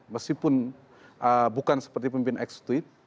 meskipun bukan seperti pemimpin eksekutif